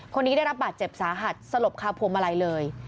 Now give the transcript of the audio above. คนนี้ได้รับบาดเจ็บสาหัสสลบคาพวงมาลัยเลย